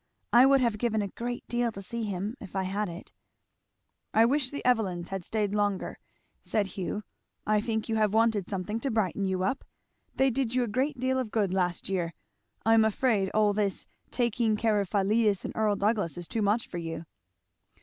I would have given a great deal to see him if I had it." "I wish the Evelyns had staid longer," said Hugh. "I think you have wanted something to brighten you up. They did you a great deal of good last year. I am afraid all this taking care of Philetus and Earl Douglass is too much for you."